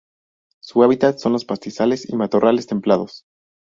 Su hábitat son los Pastizales y matorrales templados.